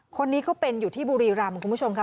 คนนี้ก็เป็นอยู่ที่บุรีรำคุณผู้ชมค่ะ